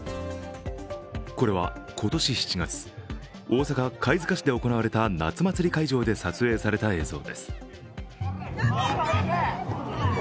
これは今年７月、大阪・貝塚市で行われた夏祭り会場で撮影された映像です。